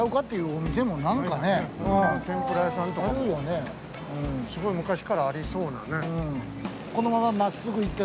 天ぷら屋さんとかもすごい昔からありそうなね。